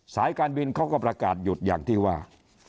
สายการบินเขาก็ประกาศหยุดอย่างที่ว่า